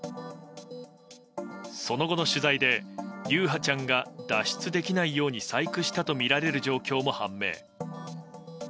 その後の取材で優陽ちゃんが脱出できないように細工したとみられる状況も判明。